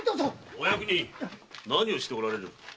お役人何をしておられる？